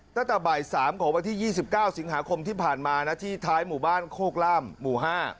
ตั้งแต่บ่าย๓ของวันที่๒๙สิงหาคมที่ผ่านมานะที่ท้ายหมู่บ้านโคกล่ามหมู่๕